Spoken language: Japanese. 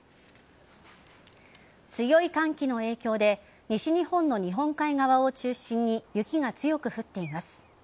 強い寒気の影響で西日本の日本海側を中心に雪が強く降っています。